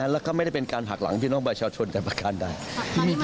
แล้วก็ไม่ได้เป็นการหักหลังพี่น้องประชาชนแต่ประการใด